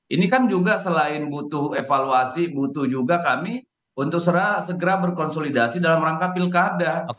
ini kan juga selain butuh evaluasi butuh juga kami untuk segera berkonsolidasi dalam rangka pilkada